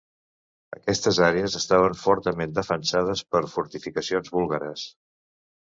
Aquestes àrees estaven fortament defensades per fortificacions búlgares.